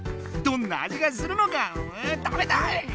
どんな味がするのか食べたい！